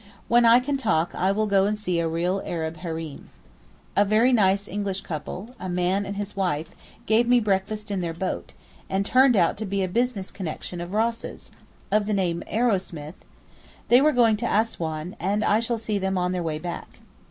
When I can talk I will go and see a real Arab hareem. A very nice English couple, a man and his wife, gave me breakfast in their boat, and turned out to be business connections of Ross's, of the name of Arrowsmith; they were going to Assouan, and I shall see them on their way back.